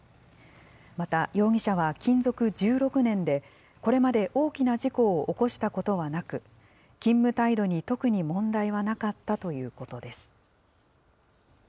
また、容疑者は勤続１６年で、これまで大きな事故を起こしたことはなく、勤務態度に特に問題はなかったということです。